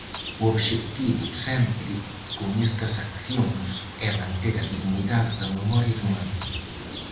O obxectivo, sempre, con estas accións, é manter a dignidade da memoria de Man.